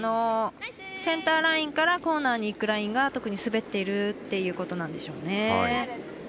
センターラインからコーナーにいくラインが特に滑っているということなんでしょうね。